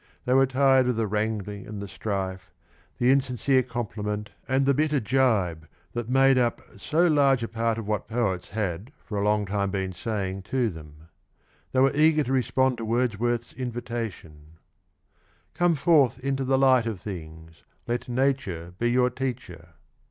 They were tired of the wrangling and the strife, the insincere compliment and the bitter jibe that made up so large a lO part of what poets had for a long time been saying to them; they were eager to respond to Wordsworth's invitation — Come forth into the light of things, Let Nature be your teacher.